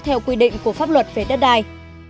theo quy định của pháp luật về đất đai